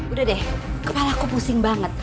udah deh kepala aku pusing banget